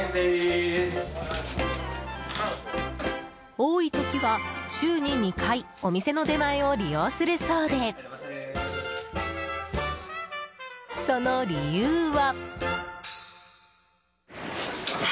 多い時は週に２回お店の出前を利用するそうでその理由は。